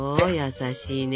優しいね。